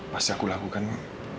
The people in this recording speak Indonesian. pasti aku lakukan ma